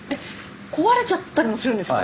壊れちゃったりもするんですか？